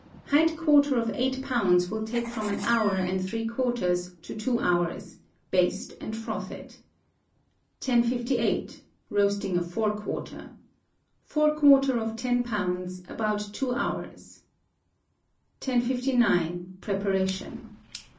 Hind quarter of eight pounds will take from an hour and three quarters to two hours; baste and froth it. 1058. Roasting a Fore Quarter. Fore quarter of ten pounds, about two hours. 1059. Preparation.